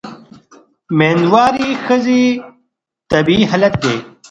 مېندواري د ښځې طبیعي حالت دی.